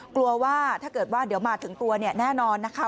กลัวว่าถ้าเกิดว่าเดี๋ยวมาถึงตัวเนี่ยแน่นอนนะคะ